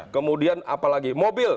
kemudian apalagi mobil